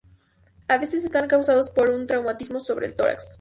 A veces está causado por un traumatismo sobre el tórax.